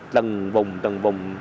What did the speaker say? từng vùng từng vùng